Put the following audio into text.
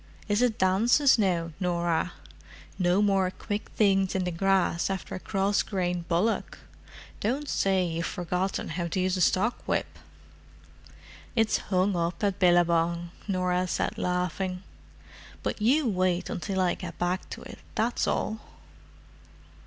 "Is it dances now, Norah? No more quick things over the grass after a cross grained bullock? Don't say you've forgotten how to use a stockwhip!" "It's hung up at Billabong," Norah said laughing. "But you wait until I get back to it, that's all!"